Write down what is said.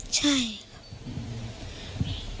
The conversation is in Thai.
ใช่ครับ